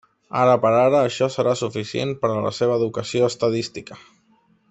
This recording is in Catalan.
Ara per ara això serà suficient per a la seva educació estadística.